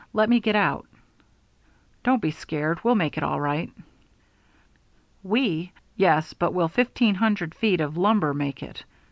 "Let me get out." "Don't be scared. We'll make it all right." "We! Yes, but will fifteen hundred feet of lumber make it?